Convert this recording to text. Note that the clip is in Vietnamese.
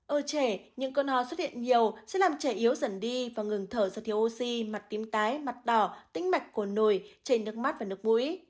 ở trẻ những cơn hò xuất hiện nhiều sẽ làm trẻ yếu dần đi và ngừng thở do thiếu oxy mặt tím tái mặt đỏ tính mạch của nồi chảy nước mắt và nước mũi